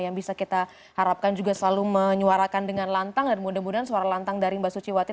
yang bisa kita harapkan juga selalu menyuarakan dengan lantang dan mudah mudahan suara lantang dari mbak suciwati